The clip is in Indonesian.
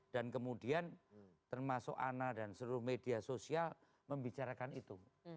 dan kemudian termasuk ana dan seluruh media sosial membicarakan itu